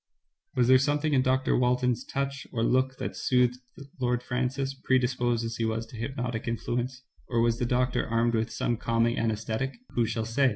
Was there something in Dr. Walton's touch or look that soothed Lord Francis, predisposed as he was to hypnotic influence, or was the doctor armed with some calming anaesthetic — who shall say?